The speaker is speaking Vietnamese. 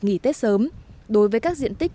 nghỉ tết sớm đối với các diện tích